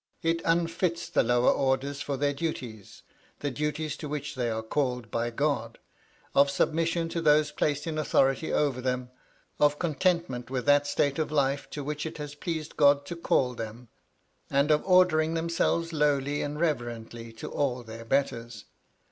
It unfits the lower orders for their duties, the duties to which they are called by God, of submission to those placed in authority over them, of contentment with that state of life to which it has pleased God to call 236 MY LADY LUDLOW. them, and of ordering themselves lowly and reverently to all their betters.